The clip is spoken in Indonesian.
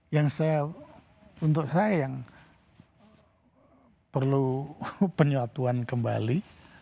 yang saya untuk saya yang perlu penyuatuan kembali